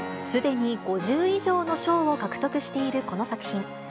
すでに５０以上の賞を獲得しているこの作品。